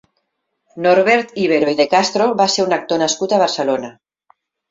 Norbert Íbero i de Castro va ser un actor nascut a Barcelona.